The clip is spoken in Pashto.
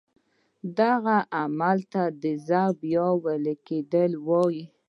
دغه عمل ته ذوبان یا ویلي کیدل وایي.